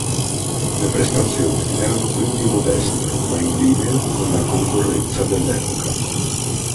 Le prestazioni erano quindi modeste, ma in linea con la concorrenza dell'epoca.